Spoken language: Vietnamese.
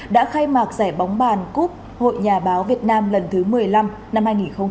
đã khai mạc giải bóng bàn cúp hội nhà báo việt nam lần thứ một mươi năm năm hai nghìn hai mươi